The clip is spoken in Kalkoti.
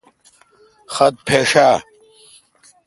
خط پھݭ آ؟